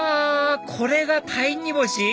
これが鯛煮干し？